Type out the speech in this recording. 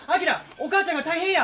お母ちゃんが大変や！